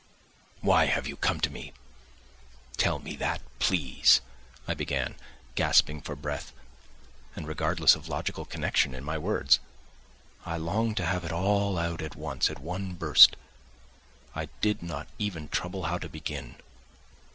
"Why have you come to me, tell me that, please?" I began, gasping for breath and regardless of logical connection in my words. I longed to have it all out at once, at one burst; I did not even trouble how to begin.